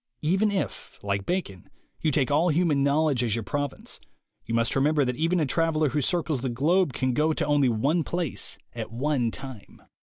Even if, like Bacon, you take all human knowledge as your province, you must remember that even a traveler who circles the globe can go to only one place at one time.